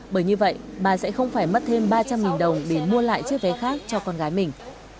bởi như vậy bà sẽ không phải mất thêm ba trăm linh đồng để mua lại chiếc vé khác cho con gái mình